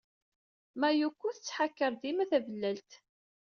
Mayuko tettḥakaṛ dima tablalt.